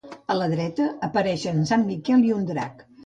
A la dreta apareixen sant Miquel i un drac.